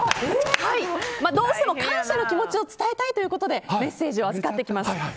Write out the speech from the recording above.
どうしても感謝の気持ちを伝えたいということでメッセージを預かってきました。